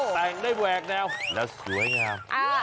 แต่งได้แหวกแนวแล้วสวยงาม